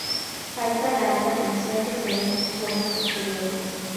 Falta la alta tensión que se ve en sus obras posteriores.